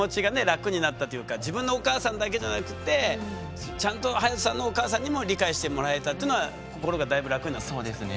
楽になったというか自分のお母さんだけじゃなくてちゃんと隼人さんのお母さんにも理解してもらえたというのは心がだいぶ楽になったんですか？